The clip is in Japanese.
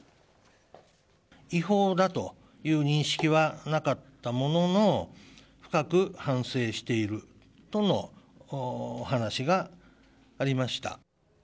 違法だという認識はなかったものの、深く反省しているとの話がありました。